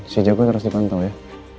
si jago terus dipantau ya